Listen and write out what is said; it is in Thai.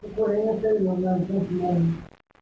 ทุกคนเองก็จะอยู่ออกมาทุกท่าน